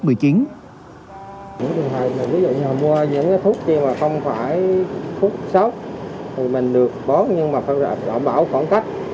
những thuốc kia mà không phải thuốc sóc thì mình được bóp nhưng mà phải bảo khoảng cách